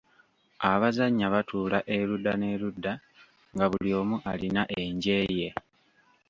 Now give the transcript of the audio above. Abazannya batuula erudda n'erudda nga buli omu alina enje ye.